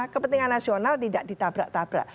kepentingan nasional tidak ditabrak tabrak